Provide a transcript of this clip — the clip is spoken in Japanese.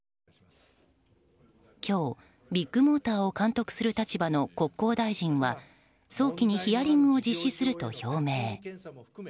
今日、ビッグモーターを監督する立場の国交大臣は早期にヒアリングを実施すると表明。